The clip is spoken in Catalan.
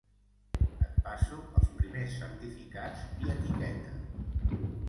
Et passo els primers certificats i etiquetes